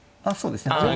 あそうですね。